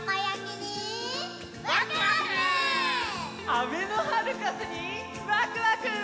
あべのハルカスにワクワク！